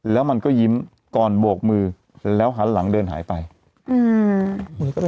แล้วมันก็ยิ้มก่อนโบกมือแล้วหันหลังเดินหายไปอืม